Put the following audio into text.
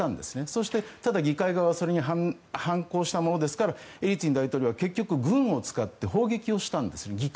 そしてただ、議会側はそれに反抗したものですからエリツィン大統領は結局、軍を使って議会を砲撃をしたんです。